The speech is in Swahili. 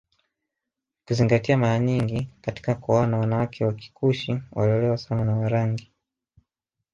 Ukizingatia mara nyingi katika kuoana wanawake wa Kikushi waliolewa sana na Warangi